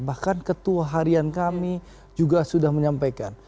bahkan ketua harian kami juga sudah menyampaikan